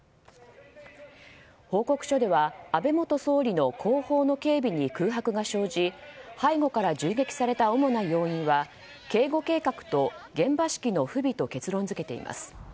報告書では安倍元総理の後方の警備に空白が生じ背後から銃撃された主な要因は警護計画と現場指揮の不備と結論付けています。